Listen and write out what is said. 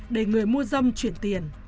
để người mua dâm chuyển tiền